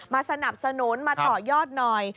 มาสนับสนุนมาต่อยอดหน่อย